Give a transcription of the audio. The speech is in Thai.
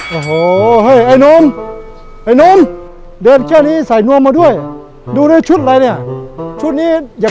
เอาโห้นมไอยนมเดียบแค่นี้ใส่นวมมาด้วยดูได้ชุดอะไรเนี่ยชุดนี้อย่าง